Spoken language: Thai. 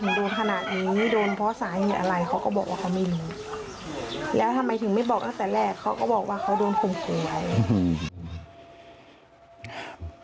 แล้วทำไมถึงไม่บอกตั้งแต่แรกเขาก็บอกว่าเขาโดนธุมธุมใหม่